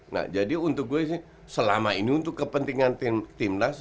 nah jadi untuk gue sih selama ini untuk kepentingan timnas